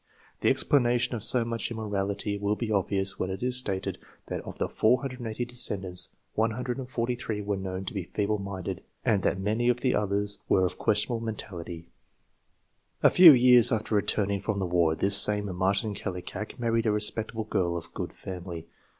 The explana tion of so much immorality will be obvious when it is stated that of the 480 descendants, 143 were known to be feeble minded, and that many of the others were of questionable mentality. A few years after returning from the war this same Martin Kallikak married a respectable girl of good family.